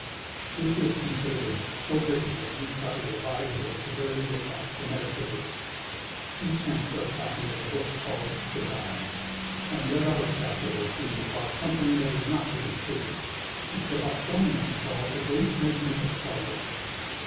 This disconcerted us so greatly that we thought it advisable to vary the attack to Metaphysics. We sent for a copy of a book called the "Dial," and read out of it a chapter or two about something that is not very clear, but which the Bostonians call the Great Movement of Progress.